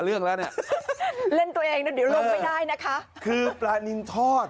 คือปลานินทอด